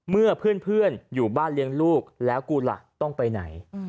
เมื่อเพื่อนอยู่บ้านเลี้ยงลูกแล้วกูล่ะต้องไปไหน